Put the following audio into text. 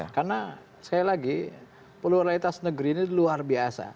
karena sekali lagi pluralitas negeri ini luar biasa